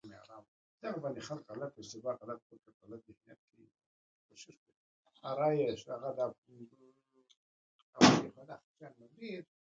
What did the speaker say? بدخشان د افغانانو د ګټورتیا برخه ده.